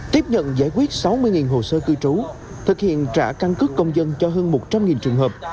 tiếp nhận giải quyết sáu mươi hồ sơ cư trú thực hiện trả căn cứ công dân cho hơn một trăm linh trường hợp